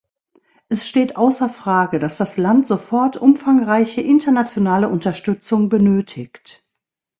Es steht außer Frage, dass das Land sofort umfangreiche, internationale Unterstützung benötigt.